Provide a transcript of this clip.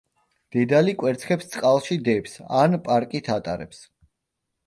დედალი კვერცხებს წყალში დებს ან პარკით ატარებს.